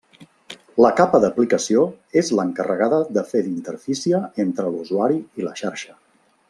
La capa d'aplicació és l'encarregada de fer d'interfície entre l'usuari i la xarxa.